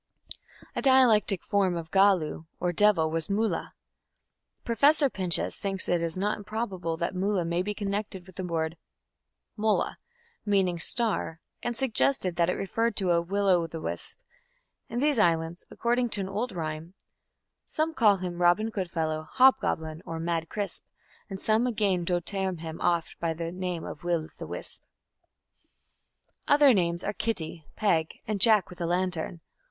A dialectic form of "gallu" or devil was "mulla". Professor Pinches thinks it not improbable that "mulla" may be connected with the word "mula", meaning "star", and suggests that it referred to a "will o' the wisp". In these islands, according to an old rhyme, Some call him Robin Good fellow, Hob goblin, or mad Crisp, And some againe doe tearme him oft By name of Will the Wisp. Other names are "Kitty", "Peg", and "Jack with a lantern".